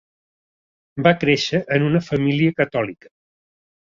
Va créixer en una família catòlica.